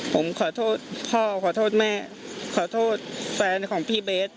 ผมขอโทษพ่อขอโทษแม่ขอโทษแฟนของพี่เบส